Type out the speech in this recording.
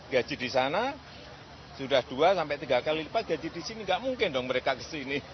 gaji di sana sudah dua sampai tiga kali lipat gaji di sini nggak mungkin dong mereka kesini